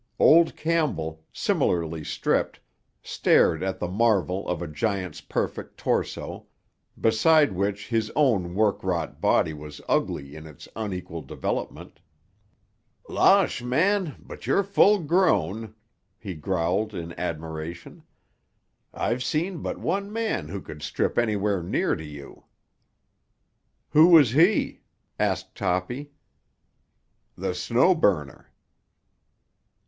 Old Campbell, similarly stripped, stared at the marvel of a giant's perfect torso, beside which his own work wrought body was ugly in its unequal development. "Losh, man! But you're full grown!" he growled in admiration. "I've seen but one man who could strip anywhere near to you." "Who was he?" asked Toppy. "The Snow Burner."